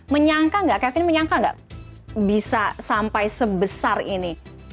menyangka nggak kevin menyangka gak bisa sampai sebesar ini